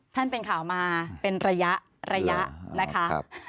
เป็นข่าวมาเป็นระยะระยะนะคะ